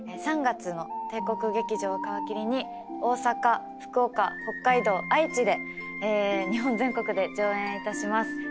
３月の帝国劇場を皮切りに大阪福岡北海道愛知で日本全国で上演いたします。